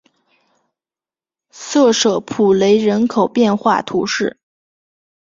塞舍普雷人口变化图示